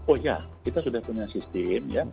oh ya kita sudah punya sistem